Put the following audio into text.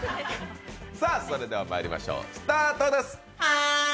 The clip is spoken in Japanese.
それではまいりましょう、スタートです。